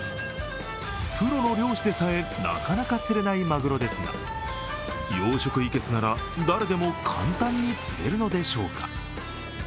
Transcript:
プロの漁師でさえ、なかなか釣れないまぐろですが、養殖いけすなら誰でも簡単に釣れるのでしょうか。